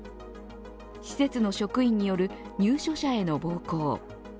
施設の職員による入所者への暴行。